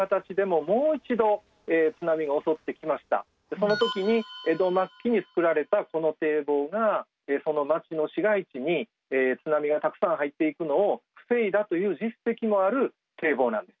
その時に江戸末期に造られたこの堤防がその町の市街地に津波がたくさん入っていくのを防いだという実績のある堤防なんです。